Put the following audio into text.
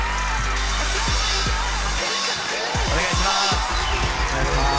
お願いします